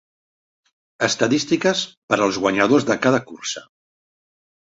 Estadístiques per als guanyadors de cada cursa.